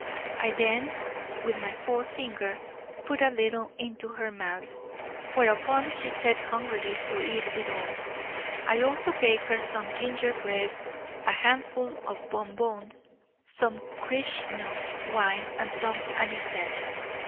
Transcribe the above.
I then, with my forefinger, put a little into her mouth, whereupon she set hungrily to eat it all. I also gave her some ginger bread, a handful of bonbons, some Krishnu wine, and some anisette.